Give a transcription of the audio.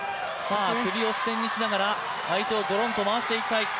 首を支点にしながら相手をごろんと回していきたい。